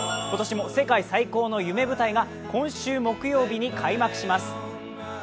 今年も世界最高の夢舞台が今週木曜日に開幕します。